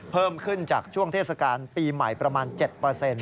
เพิ่มขึ้นจากช่วงเทศกาลปีใหม่ประมาณ๗เปอร์เซ็นต์